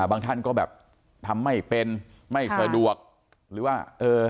บางท่านก็แบบทำไม่เป็นไม่สะดวกหรือว่าเออ